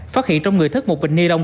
phát hiện trong người thức một bình ni lông